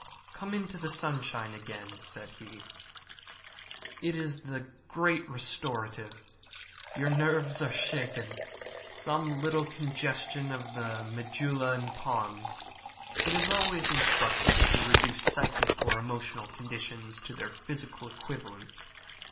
"Come into the sunshine again," said he. "It is the great restorative. Your nerves are shaken. Some little congestion of the medulla and pons. It is always instructive to reduce psychic or emotional conditions to their physical equivalents.